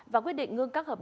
và quyết định ngưng các hợp